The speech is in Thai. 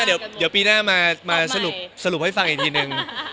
เดี๋ยวปีหน้ามาสรุปให้ฟังอีกทีนึง